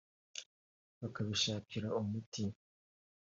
bakabishakira umuti